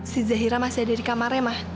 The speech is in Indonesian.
si zahira masih ada di kamarnya ma